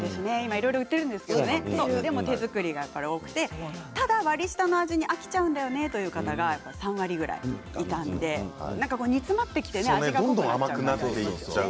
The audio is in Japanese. いろいろ売ってますけれども手作りが多くてただ割り下の味に飽きちゃうんだよねっていう方は３割ぐらいだったので煮詰まってきて、味がどんどんね。